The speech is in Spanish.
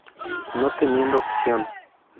No teniendo opción.